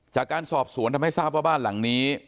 จากการสอบสวนทำให้ทราบว่าบ้านหลังนี้